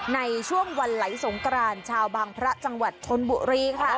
ในช่วงวันไหลสงกรานชาวบางพระจังหวัดชนบุรีค่ะ